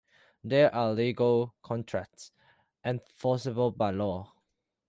There are legal contracts, enforceable by law.